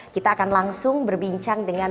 kita akan langsung berbincang dengan